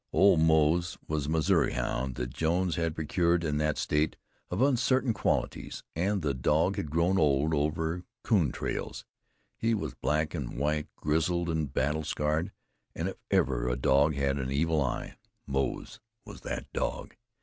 Old Moze was a Missouri hound that Jones had procured in that State of uncertain qualities; and the dog had grown old over coon trails. He was black and white, grizzled and battlescarred; and if ever a dog had an evil eye, Moze was that dog.